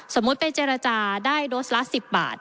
ไปเจรจาได้โดสละ๑๐บาท